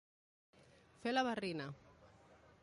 Fer la barrina.